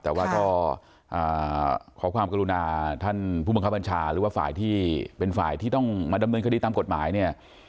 แต่ว่าก็ขอความกรุณาท่านผู้บังคับบัญชาหรือว่าฝ่ายที่เป็นฝ่ายที่ต้องมาดำเนินคดีตามกฎหมายเนี่ย